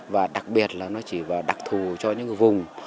và đặc biệt là nó chỉ và đặc thù cho những vùng